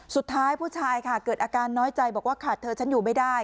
สุดท้ายผู้ชายค่ะเกิดอาการน้อยใจบอกว่าขาดเธอฉันอยู่ไม่ได้